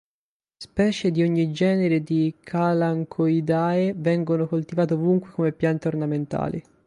Specie di ogni genere di Kalanchoideae vengono coltivate ovunque come piante ornamentali.